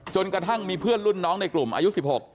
กระทั่งมีเพื่อนรุ่นน้องในกลุ่มอายุ๑๖